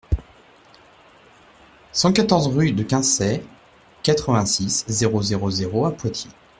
cent quatorze rue de Quinçay, quatre-vingt-six, zéro zéro zéro à Poitiers